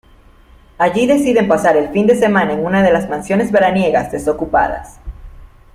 Allí deciden pasar el fin de semana en una de las mansiones veraniegas desocupadas.